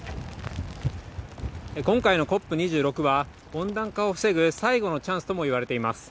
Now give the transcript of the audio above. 今回のＣＯＰ２６は、温暖化を防ぐ最後のチャンスともいわれています。